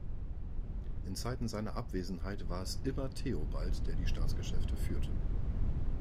In Zeiten seiner Abwesenheit war es immer Theobald, der die Staatsgeschäfte führte.